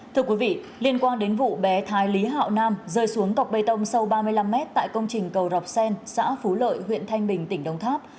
thưa quý vị liên quan đến vụ bé thái lý hạo nam rơi xuống cọc bê tông sâu ba mươi năm mét tại công trình cầu rọc sen xã phú lợi huyện thanh bình tỉnh đông tháp